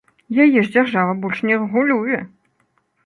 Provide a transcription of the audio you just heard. Яе ж дзяржава больш не рэгулюе!